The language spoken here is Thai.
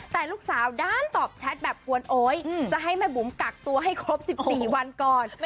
แต่ลูกสาวด้านตอบแชทแบบกวนโอ๊ยจะให้แม่บุ๋มกักตัวให้ครบ๑๔วันก่อน